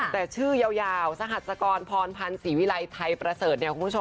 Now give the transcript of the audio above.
แต่ชื่อยาวสหัตรกรพรพันธ์สีวิรัยไทยประเสริฐ